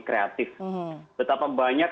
kreatif betapa banyak